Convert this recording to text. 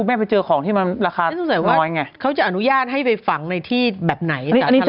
มันโคลนออกมาแล้วเป็นอย่างเงี้ย